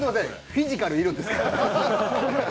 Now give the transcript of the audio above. フィジカル要るんですか？